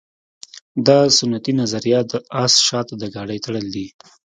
دا سنتي نظریه د اس شاته د ګاډۍ تړل دي